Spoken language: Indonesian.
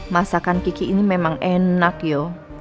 masakan kiki ini memang enak yo